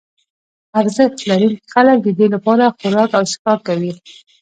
ارزښت لرونکي خلک ددې لپاره خوراک او څښاک کوي.